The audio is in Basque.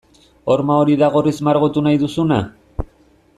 Horma hori da gorriz margotu nahi duzuna?